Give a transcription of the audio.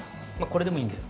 これでもいいので。